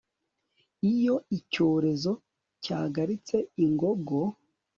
iyo icyorezo cyagaritse ingogo